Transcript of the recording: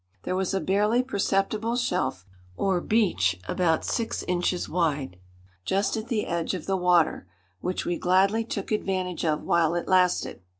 There was a barely perceptible shelf or beach about six inches wide, just at the edge of the water, which we gladly took advantage of while it lasted.